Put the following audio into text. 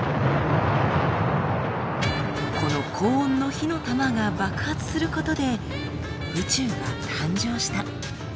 「この高温の火の玉が爆発することで宇宙が誕生した」。